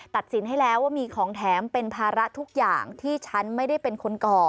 สินให้แล้วว่ามีของแถมเป็นภาระทุกอย่างที่ฉันไม่ได้เป็นคนก่อ